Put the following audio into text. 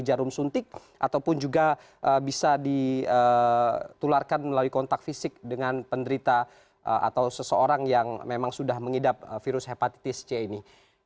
jarum suntik ataupun juga bisa ditularkan melalui kontak fisik dengan penderita atau seseorang yang memang sudah mengidap virus hepatitis c ini